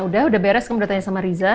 udah udah beres kamu udah tanya sama riza